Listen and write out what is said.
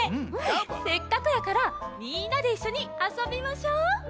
せっかくだからみんなでいっしょにあそびましょう！